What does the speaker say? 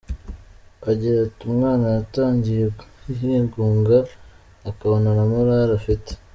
Agira ati “Umwana yatangiye yigunga ukabona nta morali afite.